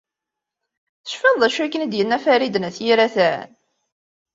Tecfiḍ d acu akken i d-yenna Farid n At Yiraten?